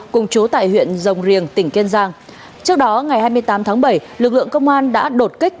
cùng chú tại huyện rồng riềng tỉnh kiên giang trước đó ngày hai mươi tám tháng bảy lực lượng công an đã đột kích